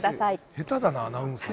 下手だなアナウンサー。